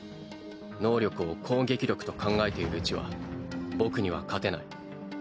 能力を攻撃力と考えているうちは僕には勝てない。